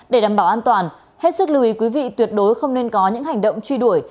để đảm bảo an toàn hết sức lưu ý quý vị tuyệt đối không nên có những hành động truy đuổi